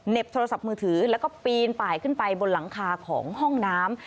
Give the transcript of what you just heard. โทรศัพท์มือถือแล้วก็ปีนป่ายขึ้นไปบนหลังคาของห้องน้ำ